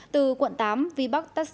từ quận tám vi bắt tắt xe